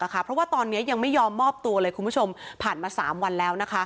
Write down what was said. เพราะว่าตอนนี้ยังไม่ยอมมอบตัวเลยคุณผู้ชมผ่านมา๓วันแล้ว